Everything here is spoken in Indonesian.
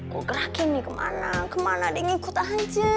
gue gerakin nih kemana kemana deh ini nih